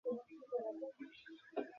মাথায় বিশ-পঁচিশটা মদের বোতল ভেঙ্গেছিস।